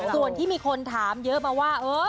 ส่วนที่มีคนถามเยอะมาว่า